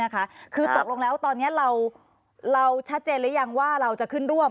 คือตกลงแล้วตอนนี้เราชัดเจนหรือยังว่าเราจะขึ้นร่วม